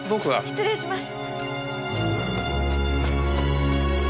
失礼します。